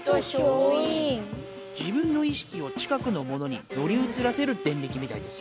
自分の意識を近くのものに乗り移らせるデンリキみたいです。